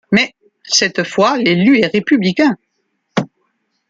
Mais, cette fois, l'élu est républicain.